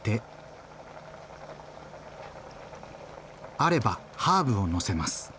あればハーブをのせます。